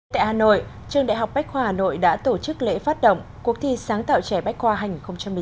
tại hà nội trường đại học bách khoa hà nội đã tổ chức lễ phát động cuộc thi sáng tạo trẻ bách khoa hành một mươi chín